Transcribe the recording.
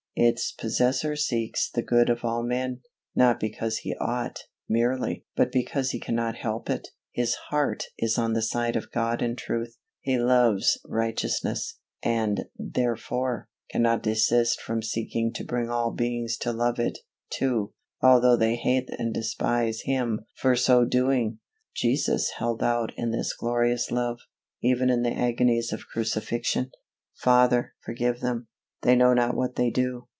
Its possessor seeks the good of all men, not because he ought, merely, but because he cannot help it. His heart is on the side of God and truth. He loves righteousness, and, therefore, cannot desist from seeking to bring all beings to love it, too, although they hate and despise him for so doing. Jesus held out in this glorious love, even in the agonies of crucifixion. "Father, forgive them; they know not what they do."